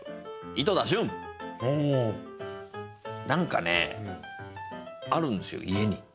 何かねあるんですよ家に。